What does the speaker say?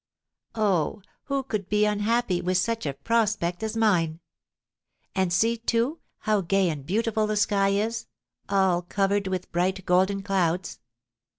Oh, who could be unhappy, with such a prospect as mine? And see, too, how gay and beautiful the sky is, all covered with bright, golden clouds!